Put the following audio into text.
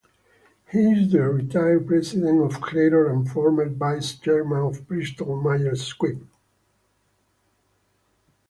He is the retired president of Clairol and former vice chairman of Bristol-Myers Squibb.